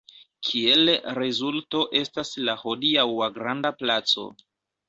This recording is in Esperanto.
Kiel rezulto estas la hodiaŭa granda placo.